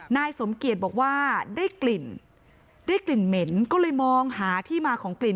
นายสมเกียจบอกว่าได้กลิ่นได้กลิ่นเหม็นก็เลยมองหาที่มาของกลิ่น